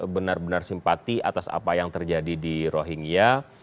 benar benar simpati atas apa yang terjadi di rohingya